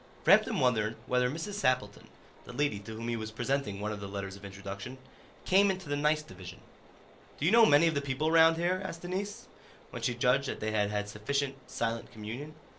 Framton wondered whether Mrs. Sappleton, the lady to whom he was presenting one of the letters of introduction, came into the nice division. "Do you know many of the people round here?" asked the niece, when she judged that they had had sufficient silent communion.